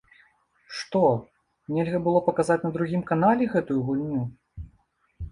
Што, нельга было паказаць на другім канале гэтую гульню?